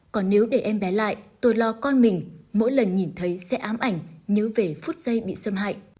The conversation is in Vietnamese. còn nếu để em bé lại tôi lo con mình mỗi lần nhìn thấy sẽ ám ảnh nhớ về phút giây bị xâm hại